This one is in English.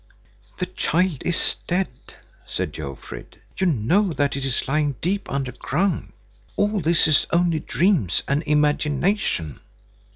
"The child is dead," said Jofrid. "You know that it is lying deep under ground. All this is only dreams and imagination."